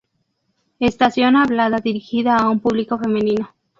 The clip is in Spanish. Estación hablada dirigida a un público femenino.